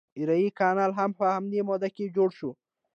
ایري کانال هم په همدې موده کې جوړ شو.